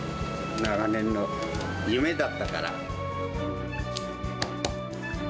長年の夢だったから。